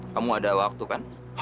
kamu ada waktu kan